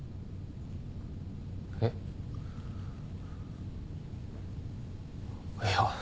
えっ？いや。